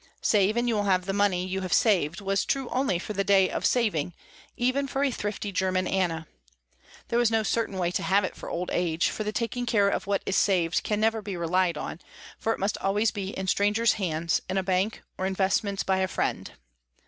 Save and you will have the money you have saved was true only for the day of saving, even for a thrifty german Anna. There was no certain way to have it for old age, for the taking care of what is saved can never be relied on, for it must always be in strangers' hands in a bank or in investments by a friend.